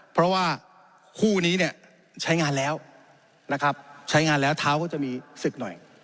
เพราะว่าคู่นี้เนี่ยใช้งานแล้วนะครับใช้งานแล้วเท้าก็จะมีศึกหน่อย